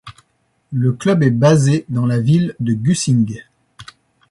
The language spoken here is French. Le club est basé dans la ville de Güssing.